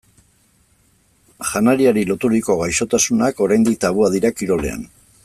Janariari loturiko gaixotasunak oraindik tabua dira kirolean.